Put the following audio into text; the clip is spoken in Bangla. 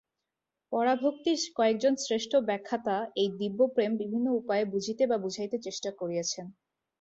পরাভক্তির কয়েকজন শ্রেষ্ঠ ব্যাখ্যাতা এই দিব্য প্রেম বিভিন্ন উপায়ে বুঝিতে বা বুঝাইতে চেষ্টা করিয়াছেন।